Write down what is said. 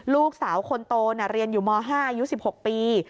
ลูกสาวคนโตเรียนอยู่ม๕อายุ๑๖ปี